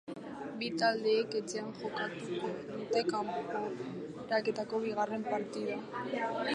Bi taldeek etxean jokatuko dute kanporaketako bigarren partida.